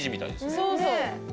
そうそう。